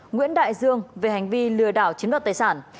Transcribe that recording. nguyễn đại dương về hành vi lừa đảo chiếm đoạt tài sản